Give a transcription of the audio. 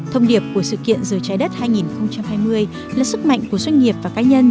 thông điệp của sự kiện giờ trái đất hai nghìn hai mươi là sức mạnh của doanh nghiệp và cá nhân